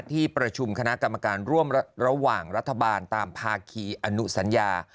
ที่ประชุมคณะกรรมการร่วมระหว่างรัฐบาลตามภาคีอนุสัญญา